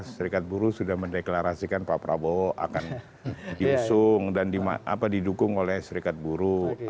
serikat buruh sudah mendeklarasikan pak prabowo akan diusung dan didukung oleh serikat buruh